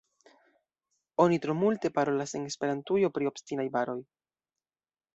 Oni tro multe parolas en Esperantujo pri “obstinaj baroj”.